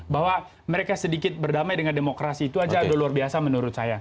bahwa mereka sedikit berdamai dengan demokrasi itu aja udah luar biasa menurut saya